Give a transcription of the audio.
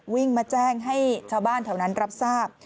วิ่งมาแจ้งให้ชาวบ้านแถวนั้นรับทราบ